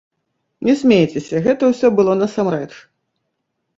Не смейцеся, гэта ўсё было насамрэч.